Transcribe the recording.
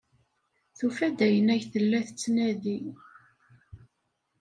Tufa-d ayen ay tella tettnadi.